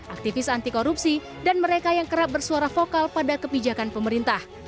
aktivis anti korupsi dan mereka yang kerap bersuara vokal pada kebijakan pemerintah